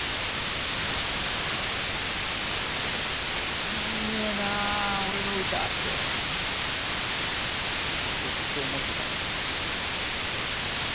つまんねえなあ俺の歌ってずっと思ってた。